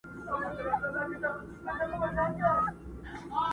زندان به نه وي بندیوان به نه وي!!